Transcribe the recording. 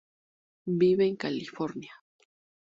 Vive en California.